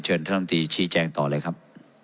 ท่านลำตีชี้แจงต่อเลยครับ